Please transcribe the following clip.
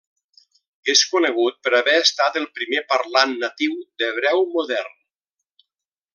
És conegut per haver estat el primer parlant natiu d'hebreu modern.